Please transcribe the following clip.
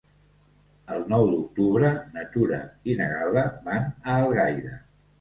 El nou d'octubre na Tura i na Gal·la van a Algaida.